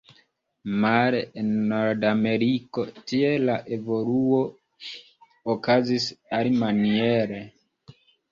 Male en Nordameriko, tie la evoluo okazis alimaniere.